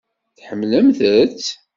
Tḥemmlemt-tt?